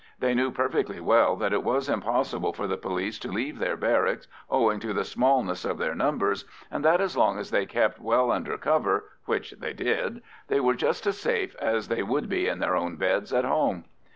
They knew perfectly well that it was impossible for the police to leave their barracks owing to the smallness of their numbers, and that as long as they kept well under cover (which they did) they were just as safe as they would be in their own beds at home.